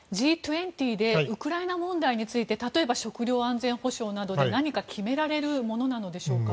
Ｇ２０でウクライナ問題について例えば食料安全保障などで何か決められるものなんでしょうか。